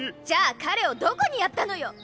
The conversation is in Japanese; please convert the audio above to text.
じゃあ彼をどこにやったのよ！